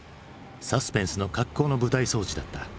サスペンスの格好の舞台装置だった。